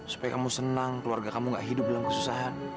supaya kamu senang keluarga kamu gak hidup dalam kesusahan